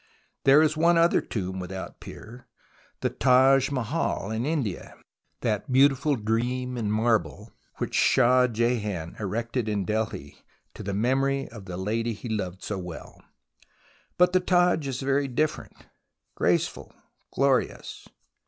There is one other tomb without peer, the Taj Mahal, in India, that beautiful dream in marble which Shah Jehan erected in Delhi to the memory of the lady he loved so well. But the Taj is very different — graceful, glorious.